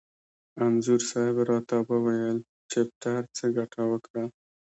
انځور صاحب را ته وویل: چپټر څه ګټه وکړه؟